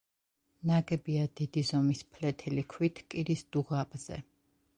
ნაგებია დიდი ზომის ფლეთილი ქვით კირის დუღაბზე.